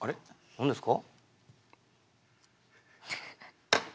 何ですか？